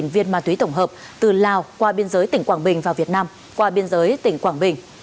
ba trăm linh bốn viên ma túy tổng hợp từ lào qua biên giới tỉnh quảng bình và việt nam qua biên giới tỉnh quảng bình